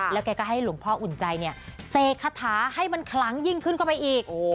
แล้วแกก็ให้หลวงพ่ออุ่นใจเนี่ยเสกคาถาให้มันคลังยิ่งขึ้นเข้าไปอีก